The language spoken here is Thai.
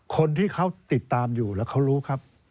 คนที่เขาติดตามอยู่แล้วเขารู้ครับ